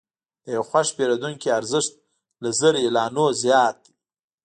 د یو خوښ پیرودونکي ارزښت له زر اعلانونو زیات دی.